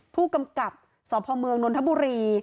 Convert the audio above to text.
ผู้กำกับสพเมืองนนทบุรี